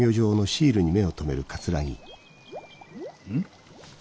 うん？